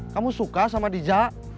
kamu suka sama dija